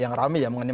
yang rame ya mengenai